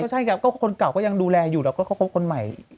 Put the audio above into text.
ใช่ครับก็คนเก่าก็ยังดูแลอยู่แล้วก็เขาคบคนใหม่